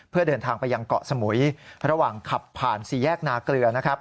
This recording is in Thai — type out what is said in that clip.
เพื่อเดินทางไปยังเกาะสมุยระหว่างขับผ่านสี่แยกนาเกลือนะครับ